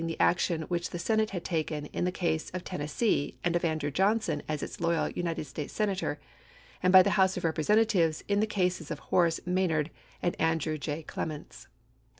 the action which the Senate had taken in the case of Tennessee and of Andrew Johnson as its loyal United States Senator, and by the House of Representatives in the cases of Horace May nard and Andrew J. Clements.